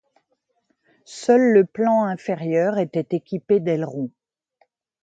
Seul le plan inférieur était équipé d’ailerons.